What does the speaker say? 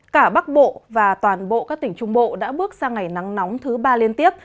cả bắc bộ và toàn bộ các tỉnh trung bộ đã bước sang ngày nắng nóng thứ ba liên tiếp